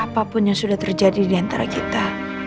apapun yang sudah terjadi diantara kita